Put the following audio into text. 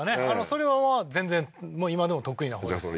それは全然今でも得意なほうです